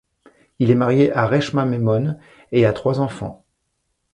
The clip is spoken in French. Il est marié à Reshma Memon et a trois enfants.